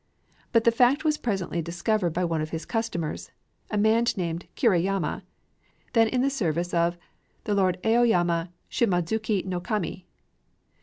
But the fact was presently discovered by one of his customers, a man named Kirayama, then in the service of the Lord Aoyama Shimodzuké no Kami.